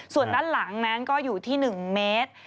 ส่วนด้านหลังนั้นก็อยู่ที่๑เมตร